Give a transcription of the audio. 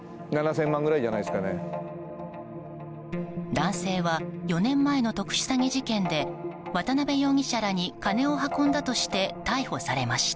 男性は４年前の特殊詐欺事件で渡邉容疑者らに金を運んだとして逮捕されました。